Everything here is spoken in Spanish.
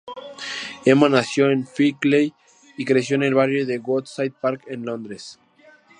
Emma nació en Finchley, y creció en el barrio de Woodside Park en Londres.